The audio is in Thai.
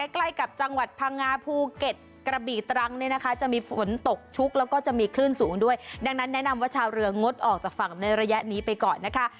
ใกล้กับจังหวัดพังงาภูเก็ตกระบี่ตรังเนี่ยนะคะจะมีฝนตกชุกแล้วก็จะมีคลื่นสูงด้วยดังนั้นแนะนำว่าชาวเรืองดออกจากฝั่งในระยะนี้ไปก่อนนะคะ